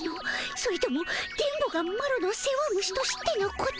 それとも電ボがマロの世話虫と知ってのこと？